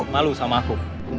malu sama aku